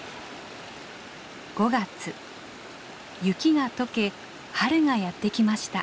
雪が解け春がやって来ました。